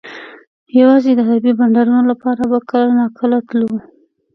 یوازې د ادبي بنډارونو لپاره به کله ناکله تللو